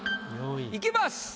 いきます。